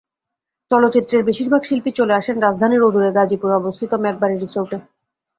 চলচ্চিত্রের বেশির ভাগ শিল্পী চলে আসেন রাজধানীর অদূরে গাজীপুরে অবস্থিত মেঘবাড়ী রিসোর্টে।